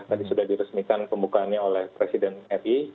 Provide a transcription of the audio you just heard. tadi sudah diresmikan pembukaannya oleh presiden ri